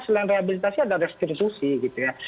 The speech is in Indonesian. selain rehabilitasi ada restitusi gitu ya